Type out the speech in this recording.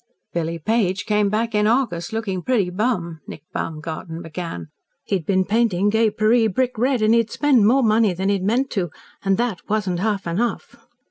"Billy Page came back in August, looking pretty bum," Nick Baumgarten began. "He'd been painting gay Paree brick red, and he'd spent more money than he'd meant to, and that wasn't half enough.